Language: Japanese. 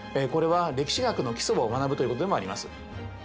これは歴史学の基礎を学ぶということでもあります。